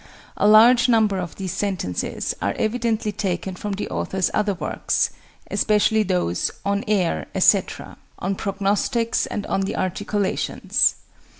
A large number of these sentences are evidently taken from the author's other works, especially those "On Air," etc., "On Prognostics," and "On the Articulations."